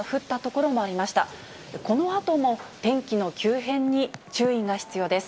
このあとも天気の急変に注意が必要です。